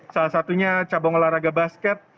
salah satunya cabang olahraga basket